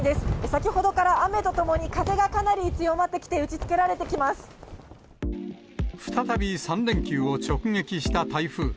先ほどから雨とともに風がかなり強まってきて打ちつけられてきま再び３連休を直撃した台風。